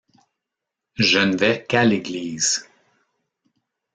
Je ne vais qu’à l’église.